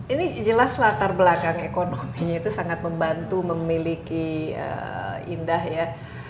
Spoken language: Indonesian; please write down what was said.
ini jelas latar belakang ekonominya itu sangat membantu memiliki indah ya